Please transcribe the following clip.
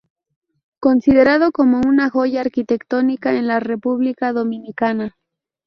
Considerado como una joya arquitectónica en la República Dominicana.